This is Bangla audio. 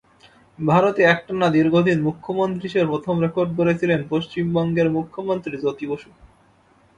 ভারতে একটানা দীর্ঘদিন মুখ্যমন্ত্রী হিসেবে প্রথম রেকর্ড গড়েছিলেন পশ্চিমবঙ্গের মুখ্যমন্ত্রী জ্যোতি বসু।